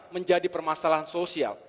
menjadi permasalahan sosial